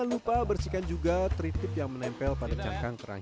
jangan lupa bersihkan juga tritip yang menempel pada cangkang kerang